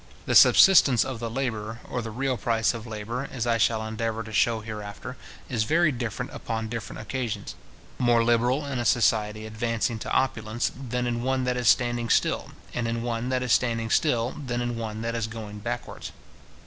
The subsistence of the labourer, or the real price of labour, as I shall endeavour to shew hereafter, is very different upon different occasions; more liberal in a society advancing to opulence, than in one that is standing still, and in one that is standing still, than in one that is going backwards.